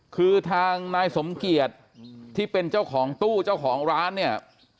คือทางนายสมเกียจที่เป็นเจ้าของตู้เจ้าของร้านเนี่ย